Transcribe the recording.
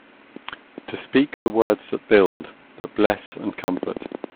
To speak the words that build, that bless and comfort.